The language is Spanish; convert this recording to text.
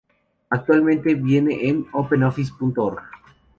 Actualmente viene con OpenOffice.org.